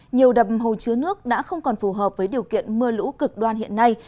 nhiều đập hồ chứa nước đã không còn phù hợp với điều kiện mưa lũ cực đoan hiện nay